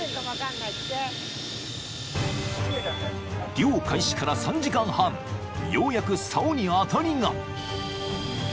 ［漁開始から３時間半ようやくさおに当たりが！］